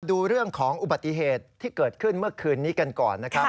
ดูเรื่องของอุบัติเหตุที่เกิดขึ้นเมื่อคืนนี้กันก่อนนะครับ